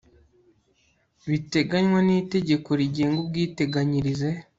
biteganywa n itegeko rigenga ubwiteganyirize